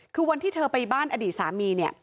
คือวันที่เธอไปบ้านอดีตสามีเนี่ย